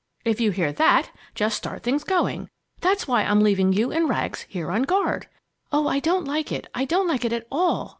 If you hear that just start things going. That's why I'm leaving you and Rags here on guard." "Oh, I don't like it I don't like it at all!"